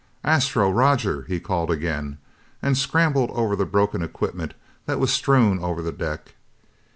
"Astro? Roger?!" he called again, and scrambled over the broken equipment that was strewn over the deck.